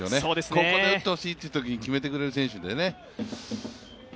ここで打ってほしいというときに決めてくれる選手でね。